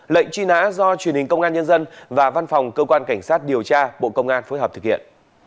lệnh truy nã do truyền hình công an nhân dân và văn phòng cơ quan cảnh sát điều tra bộ công an phối hợp thực hiện